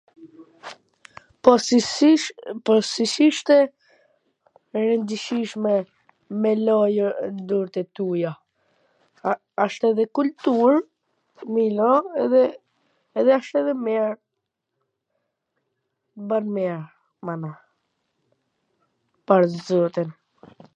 po si s'ishte e rwndwsishme me lajw durt e tuja? Asht edhe kultur me i la edhe edhe asht edhe mir, t ban mir, mana, pwr zootin